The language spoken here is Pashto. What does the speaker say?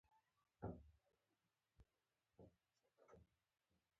بر کلي ځوانان بې حیا شوي.